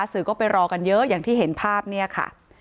สื่อก็ไปรอกันเยอะอย่างที่เห็นภาพเนี่ยค่ะ